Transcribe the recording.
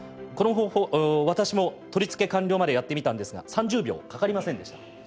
この方法私も取り付け完了までやってみたんですが３０秒かかりませんでした。